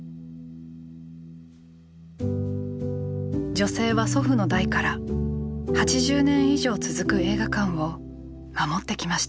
女性は祖父の代から８０年以上続く映画館を守ってきました。